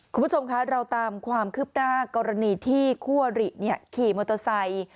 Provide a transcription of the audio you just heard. คุณผู้ชมคะเราตามความคืบหน้ากรณีที่คู่อริขี่มอเตอร์ไซค์